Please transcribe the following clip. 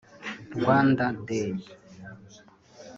Rwanda Day